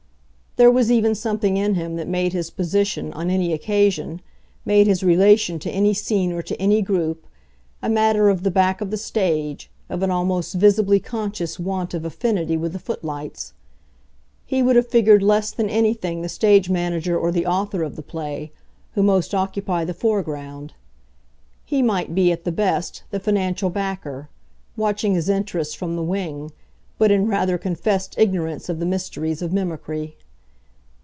There was even something in him that made his position, on any occasion, made his relation to any scene or to any group, a matter of the back of the stage, of an almost visibly conscious want of affinity with the footlights. He would have figured less than anything the stage manager or the author of the play, who most occupy the foreground; he might be, at the best, the financial "backer," watching his interests from the wing, but in rather confessed ignorance of the mysteries of mimicry.